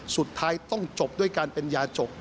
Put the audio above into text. สุดท้ายต้องจบด้วยการเป็นยาจบ